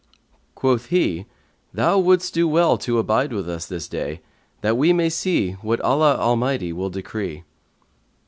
Quoth he, Thou wouldst do well to abide with us this day, that we may see what Allah Almighty will decree.'